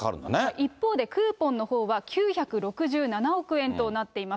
一方でクーポンのほうは、９６７億円となっています。